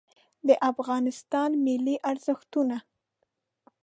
د افغانستان ملي ارزښتونه